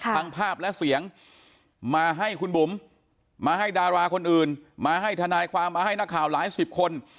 ทั้งภาพและเสียงมาให้คุณบุ๋มมาให้ดาราคนอื่นมาให้ทนายความมาให้นักข่าวหลายสิบคน